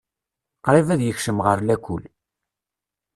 Qrib ad yekcem ɣer lakul.